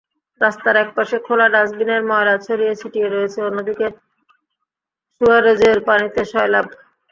রাস্তার একপাশে খোলা ডাস্টবিনের ময়লা ছড়িয়ে-ছিটিয়ে রয়েছে, অন্যদিকে সুয়ারেজের পানিতে সয়লাব।